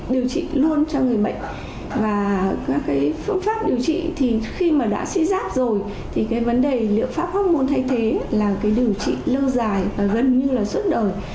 điều trị luôn cho người bệnh và các cái phương pháp điều trị thì khi mà đã suy giáp rồi thì cái vấn đề liệu pháp hóc muốn thay thế là cái điều trị lâu dài và gần như là suốt đời